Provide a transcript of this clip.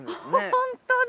本当だ！